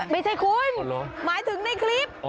ไม่ใช่คุณหมายถึงในคลิป